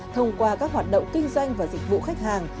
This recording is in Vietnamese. thông qua các hoạt động kinh doanh và dịch vụ khách hàng